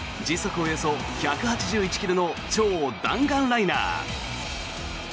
およそ１８１ｋｍの超弾丸ライナー。